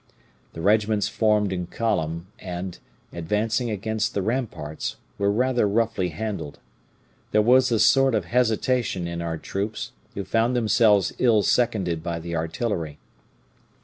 The regiments formed in column, and, advancing against the ramparts, were rather roughly handled. There was a sort of hesitation in our troops, who found themselves ill seconded by the artillery.